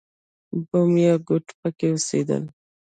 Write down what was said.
بوم یا ګواټي پکې اوسېدل.